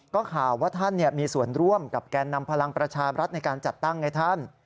ก็ข่าวว่าท่านมีส่วนร่วมกับแกนนำพลังประชารัฐในการจัดตั้งไงท่าน